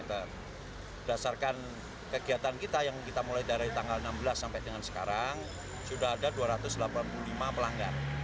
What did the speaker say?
berdasarkan kegiatan kita yang kita mulai dari tanggal enam belas sampai dengan sekarang sudah ada dua ratus delapan puluh lima pelanggan